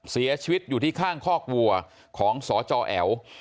เสียชีวิตอยู่ที่ข้างคอกวัวของสจแอ๋ว